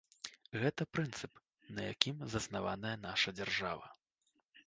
Гэта прынцып, на якім заснаваная нашая дзяржава.